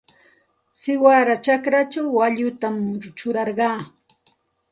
Siwada chakrachaw waallutam churarqaa.